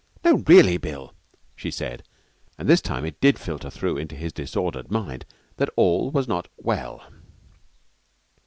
'No, really, Bill!' she said; and this time it did filter through into his disordered mind that all was not well.